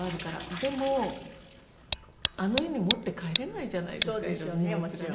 でもあの家に持って帰れないじゃないですかいろいろ荷物がね。